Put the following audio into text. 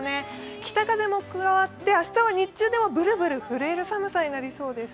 北風も加わって明日は日中でもブルブル震える寒さになりそうです。